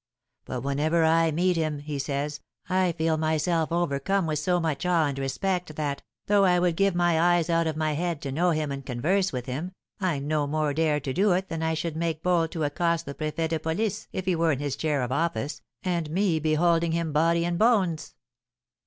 But whenever I meet him,' he says, 'I feel myself overcome with so much awe and respect that, though I would give my eyes out of my head to know him and converse with him, I no more dare do it than I should make bold to accost the préfet de police if he were in his chair of office, and me beholding him body and bones.'"